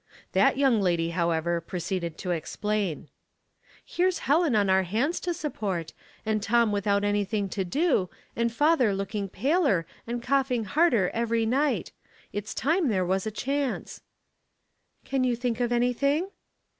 That young lady, however, proceed ed to explain. "Here's Helen on our hands to support, and Tom without anything to do, and father looking Laces and Duty, 339 paler and coughing harder every night. It's time there was a chance." " Can you think of anything